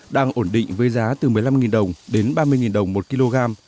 đang ổn định với giá từ một mươi năm đồng đến ba mươi đồng một kg